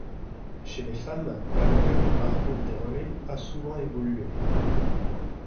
Chez les femmes, la longueur du parcours des relais a souvent évolué.